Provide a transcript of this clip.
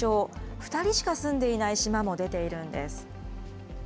２人しか住んでいない島も出ているんです。